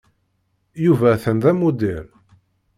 Yuba atan d amuddir.